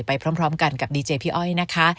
ไปพร้อมพร้อมกันกับดีเจย์พี่อ้อยนะคะ